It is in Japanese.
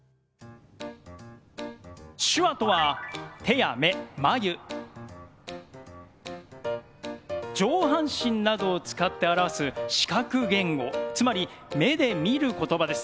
手話とは手や目眉上半身などを使って表す視覚言語つまり「目で見ることば」です。